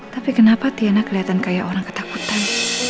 tapi kenapa tiana kelihatan kayak orang ketakutan